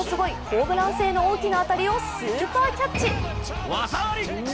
ホームラン性の大きな当たりをスーパーキャッチ。